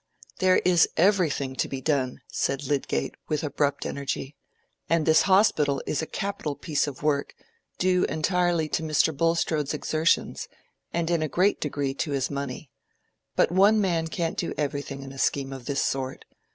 "There is everything to be done," said Lydgate, with abrupt energy. "And this Hospital is a capital piece of work, due entirely to Mr. Bulstrode's exertions, and in a great degree to his money. But one man can't do everything in a scheme of this sort.